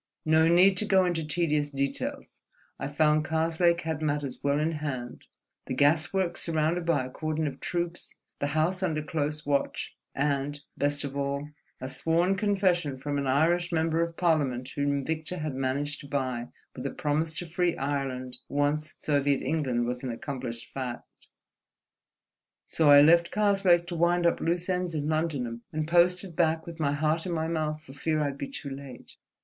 No need to go into tedious details; I found Karslake had matters well in hand: the gas works surrounded by a cordon of troops, the house under close watch, and—best of all—a sworn confession from an Irish Member of Parliament whom Victor had managed to buy with a promise to free Ireland once Soviet England was an accomplished fact. So I left Karslake to wind up loose ends in London, and posted back with my heart in my mouth for fear I'd be too late."